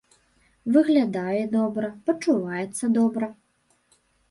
Выглядае добра, пачуваецца добра.